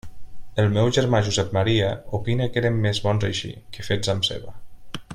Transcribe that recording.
El meu germà Josep Maria opina que eren més bons així que fets amb ceba.